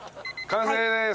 完成です。